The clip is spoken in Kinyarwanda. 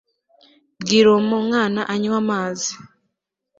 bwira uwo mwana anywe amazi